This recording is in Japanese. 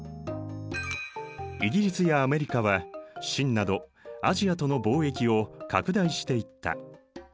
イギリスやアメリカは清などアジアとの貿易を拡大していった。